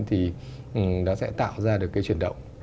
thì nó sẽ tạo ra được chuyển động